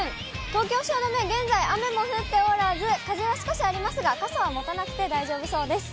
東京・汐留、現在、雨も降っておらず、風は少しありますが、傘は持たなくて大丈夫そうです。